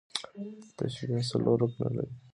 تشبیه څلور رکنه لري.